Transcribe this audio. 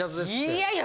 いやいや。